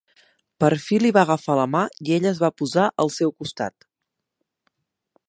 Per fi li va agafar la mà i ella es va posar al seu costat.